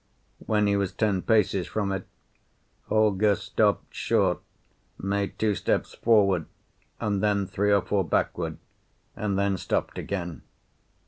When he was ten paces from it, Holger stopped short, made two steps forward, and then three or four backward, and then stopped again.